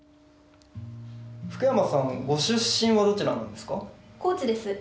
フクヤマさんご出身はどちらなんですか？